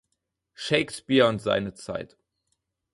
Shakespeare und seine Zeit.